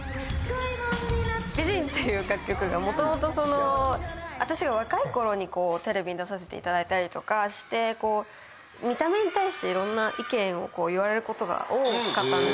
『美人』っていう楽曲がもともとその私が若いころにテレビに出させていただいたりとかして見た目に対していろんな意見を言われることが多かったんですよ。